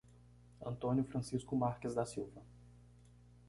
Antônio Francisco Marques da Silva